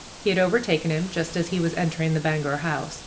He had overtaken him just as he was entering the Bangor House.